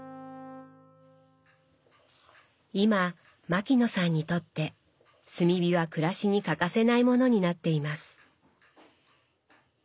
今牧野さんにとって炭火は暮らしに欠かせないものになっています。